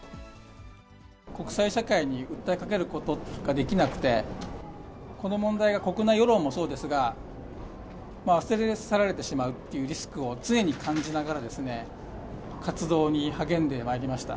国際社会に訴えかけることができなくて、この問題が国内世論もそうですが、忘れ去られてしまうというリスクを常に感じながら、活動に励んでまいりました。